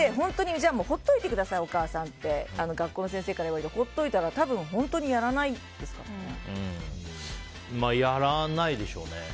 放っといてくださいお母さんって学校の先生から言われて放っておいたら多分本当にやらないでしょうね。